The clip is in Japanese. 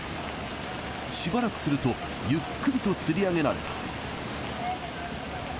しばらくすると、ゆっくりとつり上げられた。